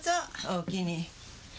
おおきに。